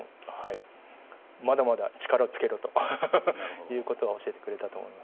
まだまだ力つけろということを教えてくれたと思います。